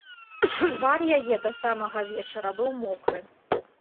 Твар яе да самага вечара быў мокры.